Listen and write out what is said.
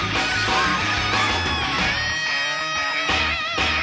แล้วยังอยากไปอย่างงี้